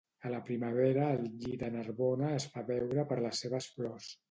A la primavera el lli de Narbona es fa veure per les seves flors